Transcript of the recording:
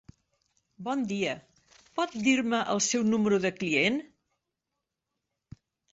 Bon dia, pot dir-me el seu número de client?